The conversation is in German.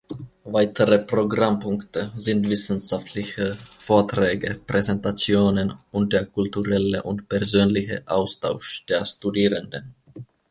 Weitere Programmpunkte sind wissenschaftliche Vorträge, Präsentationen und der kulturelle und persönliche Austausch der Studierenden.